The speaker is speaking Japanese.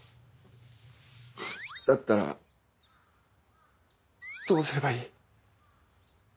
だったらどうすればいい？